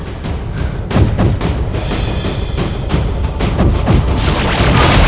rai lebih baik kamu menunggu